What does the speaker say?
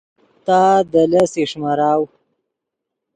تا دے لس اݰمراؤ